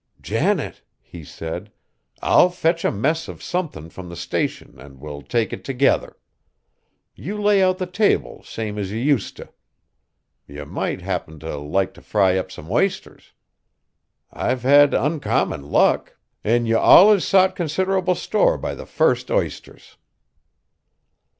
"Janet," he said, "I'll fetch a mess of somethin' from the Station an' we'll take it together. You lay out the table same as ye use t'. Ye might happen t' like t' fry up some isters. I've had oncommon luck; an' ye allus sot considerable store by the first isters."